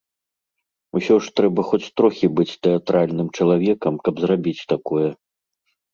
Усё ж трэба хоць трохі быць тэатральным чалавекам, каб зрабіць такое.